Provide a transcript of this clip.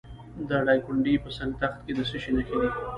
د دایکنډي په سنګ تخت کې د څه شي نښې دي؟